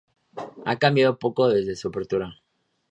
A cambiado poco desde su apertura.